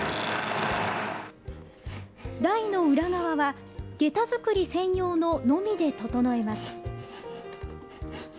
台の裏側は、げた作り専用ののみで整えます。